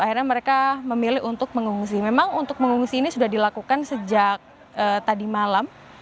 akhirnya mereka memilih untuk mengungsi memang untuk mengungsi ini sudah dilakukan sejak tadi malam